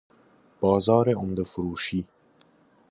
بازار عمده فروشی